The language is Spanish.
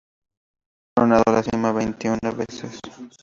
Ha coronado la cima veintiuna veces.